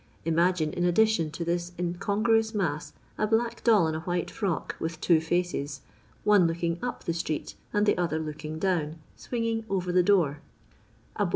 Imagine, in addition to this incon gruous mass, a block doll in a white frock, with two fiices— one looking up the street, and the other looking down, swinging over the door; a LONDON LABOUR AND THE LONDON POOR.